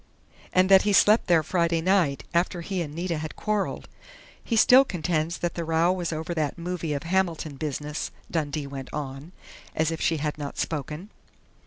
" and that he slept there Friday night, after he and Nita had quarreled. He still contends that the row was over that movie of Hamilton business," Dundee went on, as if she had not spoken.